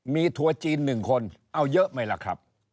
มีถั่วจีนหนึ่งคนเอาเยอะไหมล่ะครับ